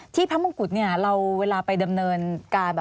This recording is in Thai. ที่พระมงกุฎเราเวลาไปดำเนินการ